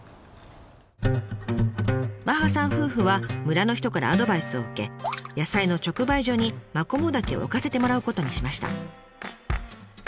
麻葉さん夫婦は村の人からアドバイスを受け野菜の直売所にマコモダケを置かせてもらうことにしました。